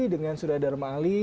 dengan surya dharma ali